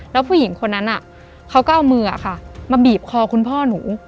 แล้วผู้หญิงคนนั้นเขาก็เอามือมาบีบคอคุณพ่อหนู